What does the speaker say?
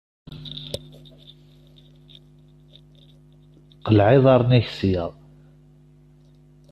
Qleɛ iḍaṛṛen-ik sya!